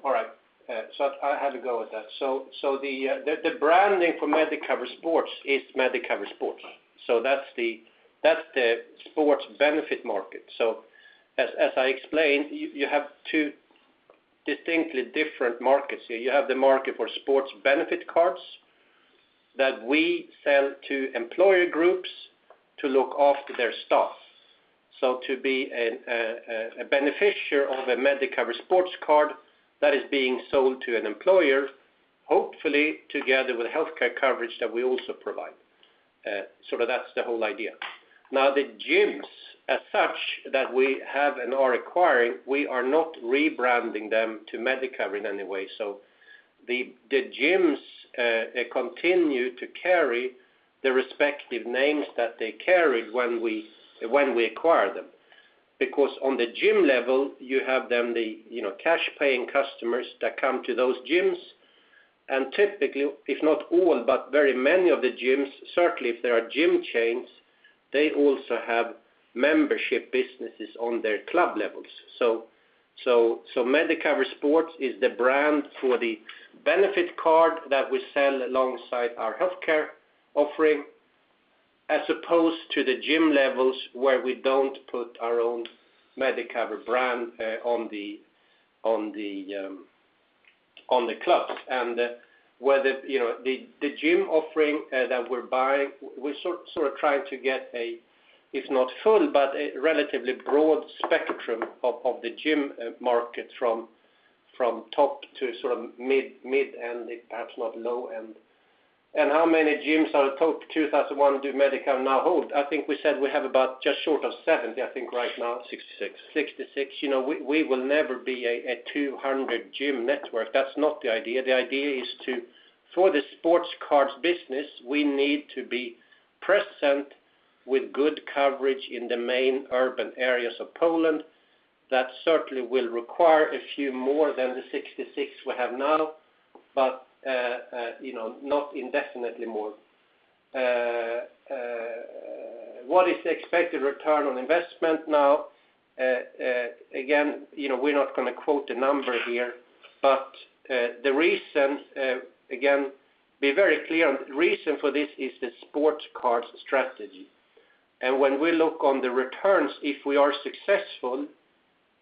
All right. I had a go at that. The branding for Medicover Sport is Medicover Sport. That's the sports benefit market. As I explained, you have two distinctly different markets here. You have the market for sports benefit cards that we sell to employer groups to look after their staff. To be a beneficiary of a Medicover Sport card that is being sold to an employer, hopefully together with healthcare coverage that we also provide. That's the whole idea. Now, the gyms as such that we have and are acquiring, we are not rebranding them to Medicover in any way. The gyms continue to carry the respective names that they carried when we acquire them. Because on the gym level, you have then the, you know, cash paying customers that come to those gyms, and typically, if not all, but very many of the gyms, certainly if there are gym chains, they also have membership businesses on their club levels. Medicover Sport is the brand for the benefit card that we sell alongside our healthcare offering, as opposed to the gym levels where we don't put our own Medicover brand on the club. Whether, you know, the gym offering that we're buying, we're sort of trying to get a, if not full, but a relatively broad spectrum of the gym market from top to sort of mid-end, perhaps not low-end. How many gyms out of top 2,100 do Medicover now hold? I think we said we have about just short of 70, I think right now. 66. 66. You know, we will never be a 200 gym network. That's not the idea. The idea is to, for the sports cards business, we need to be present with good coverage in the main urban areas of Poland. That certainly will require a few more than the 66 we have now. But you know, not indefinitely more. What is the expected return on investment now? Again, you know, we're not gonna quote a number here, but the reason, again, be very clear, the reason for this is the sports cards strategy. When we look on the returns, if we are successful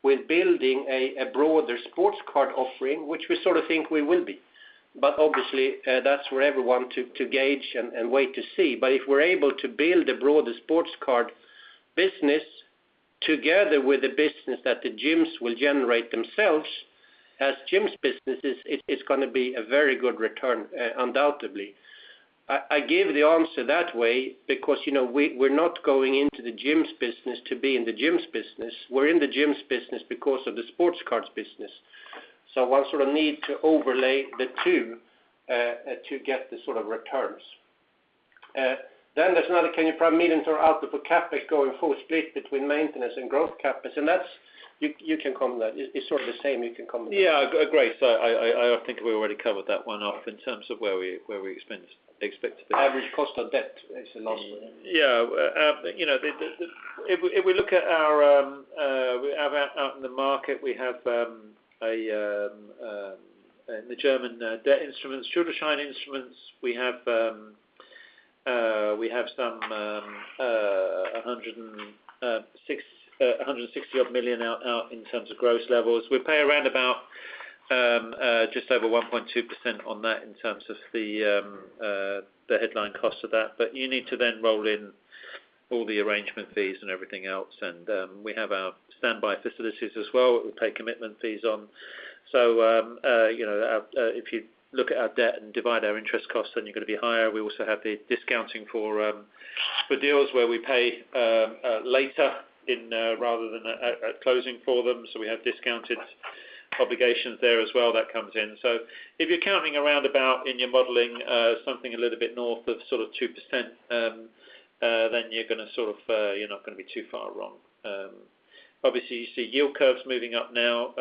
with building a broader sports card offering, which we sort of think we will be, but obviously, that's for everyone to gauge and wait to see. If we're able to build a broader sports card business together with the business that the gyms will generate themselves as gyms businesses, it is gonna be a very good return, undoubtedly. I gave the answer that way because, you know, we're not going into the gyms business to be in the gyms business. We're in the gyms business because of the sports cards business. One sort of need to overlay the two, to get the sort of returns. Then there's another. Can you provide millions or outlook for CapEx going forward split between maintenance and growth CapEx? That's, you can comment that. It's sort of the same, you can comment. Yeah. Great. I think we already covered that one off in terms of where we expect to be. Average cost of debt is the last one. Yeah. You know, if we look at our out in the market, we have the German debt instruments, Schuldschein instruments. We have some 160 odd million out in terms of gross levels. We pay around about just over 1.2% on that in terms of the headline cost of that. But you need to then roll in all the arrangement fees and everything else. We have our standby facilities as well that we pay commitment fees on. You know, if you look at our debt and divide our interest costs, then you're gonna be higher. We also have the discounting for deals where we pay later in rather than at closing for them. We have discounted obligations there as well that comes in. If you're counting around about in your modeling something a little bit north of sort of 2%, then you're not gonna be too far wrong. Obviously, you see yield curves moving up now.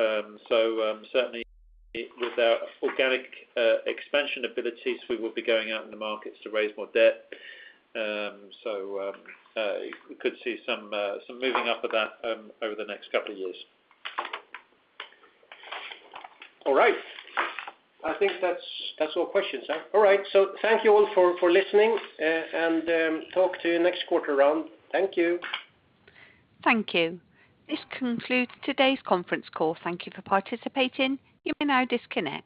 We could see some moving up of that over the next couple of years. All right. I think that's all questions. All right. Thank you all for listening, and talk to you next quarter round. Thank you. Thank you. This concludes today's conference call. Thank you for participating. You may now disconnect.